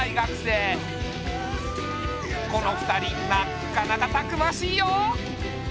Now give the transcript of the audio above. この二人なっかなかたくましいよ。